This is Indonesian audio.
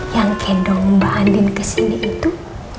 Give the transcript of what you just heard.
yang kedong mbak andin kesini itu